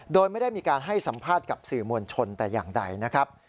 โดยไม่ได้มีการให้สัมภาษณ์กับสื่อมวลชนแต่อย่างใดนะครับ